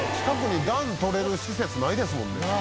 近くに暖取れる施設ないですもんね。